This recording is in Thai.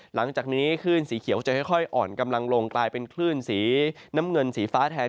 หลังจากนี้คลื่นสีเขียวจะค่อยอ่อนกำลังลงกลายเป็นคลื่นสีน้ำเงินสีฟ้าแทน